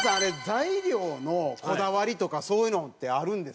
材料のこだわりとかそういうのってあるんですかね？